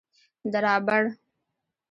درابڼ